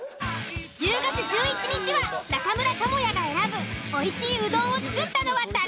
１０月１１日は中村倫也が選ぶおいしいうどんを作ったのは誰？